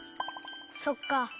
そっか。